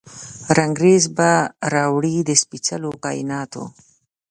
رنګریز به راوړي، د سپیڅلو کائیناتو،